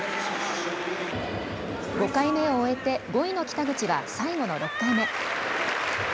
５回目を終えて５位の北口は最後の６回目。